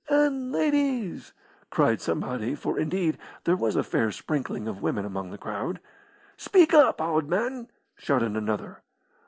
"And ladies!" cried somebody, for, indeed, there was a fair sprinkling of women among the crowd. "Speak up, owd man!" shouted another.